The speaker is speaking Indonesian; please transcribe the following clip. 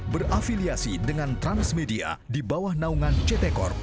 berafiliasi dengan transmedia di bawah naungan ct corp